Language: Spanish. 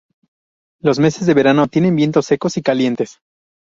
Los meses de verano tienen vientos secos y calientes.